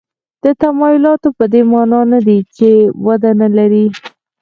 دا تمایلات په دې معنا نه دي چې وده نه لري.